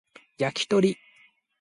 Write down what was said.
焼き鳥